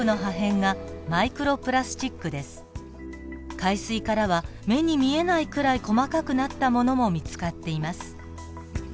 海水からは目に見えないくらい細かくなったものも見つかっています。